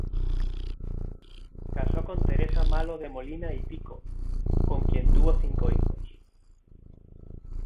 Casó con Teresa Malo de Molina y Pico, con quien tuvo cinco hijos.